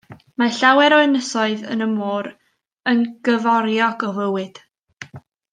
Mae llawer o ynysoedd yn y môr yn gyforiog o fywyd.